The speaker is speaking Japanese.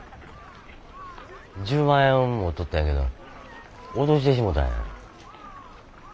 １０万円持っとったんやけど落としてしもたんや。